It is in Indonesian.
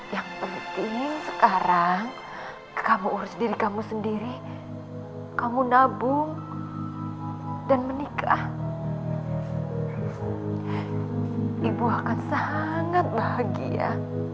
yang penting sekarang kamu urus diri kamu sendiri kamu nabung dan menikah ibu akan sangat bahagia